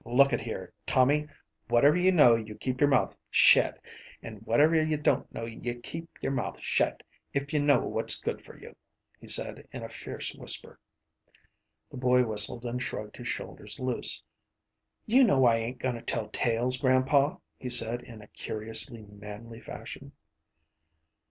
“Look at here, Tommy, whatever you know, you keep your mouth shet, and whatever you don’t know, you keep your mouth shet, if you know what’s good for you,‚ÄĚ he said, in a fierce whisper. The boy whistled and shrugged his shoulders loose. “You know I ain’t goin’ to tell tales, grandpa,‚ÄĚ he said, in a curiously manly fashion.